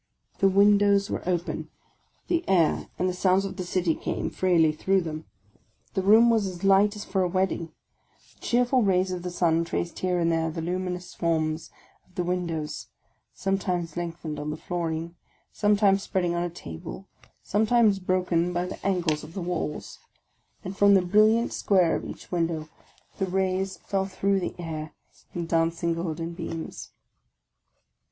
The windows were open ; the air, and the sounds of the City came freely through them ; the room was as light as for a wedding ; the cheerful rays of the sun traced here and there the luminous forms of the windows, sometimes lengthened on the flooring, sometime? spreading on a table, sometimes broken by the angles of the OF A CONDEMNED 43 walls ; and from the brilliant square of each window the rays fell through the air in dancing golden beams.